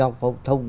học phổ tông